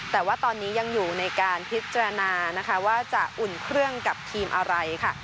แต่ว่าตอนนี้ยังอยู่ในการพิจารณานะคะว่าจะอุ่นเครื่องกับทีมอะไรค่ะ